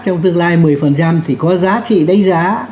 trong tương lai một mươi thì có giá trị đánh giá